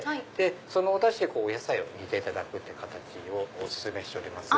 そのおダシでお野菜を煮ていただく形をお勧めします。